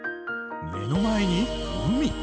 目の前に海！